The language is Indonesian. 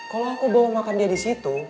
kalo aku bawa makan dia disitu